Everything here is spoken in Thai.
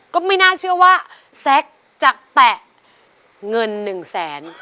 ก็ไม่น่าเชื่อว่าแซคจะแตะเงินหนึ่งแสน